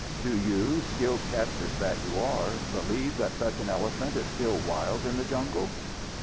"Do you, skilled catchers that you are, believe that such an elephant is still wild in the jungle?"